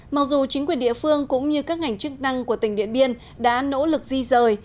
mặc dù chính quyền địa phương cũng như các ngành chức năng của tỉnh điện biên đã nỗ lực di rời